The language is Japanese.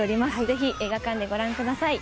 ぜひ映画館でご覧ください。